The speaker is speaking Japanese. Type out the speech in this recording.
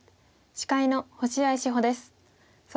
司会の星合志保です。